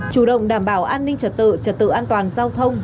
chủ động đảm bảo an ninh trật tự trật tự an toàn giao thông